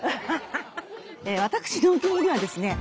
私のお気に入りはですね